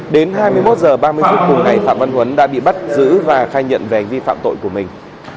đến hai mươi một h ba mươi phút cùng ngày phạm văn huấn đã bị bắt giữ và khai nhận về hành vi phạm tội của mình